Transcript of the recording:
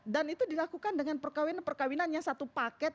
dan itu dilakukan dengan perkawinan perkawinan yang satu paket